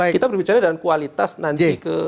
kita berbicara dalam kualitas nanti ke